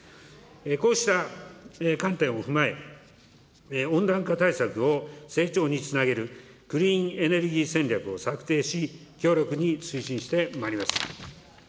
こうした観点を踏まえ、温暖化対策を成長につなげる、クリーンエネルギー戦略を策定し、強力に推進してまいります。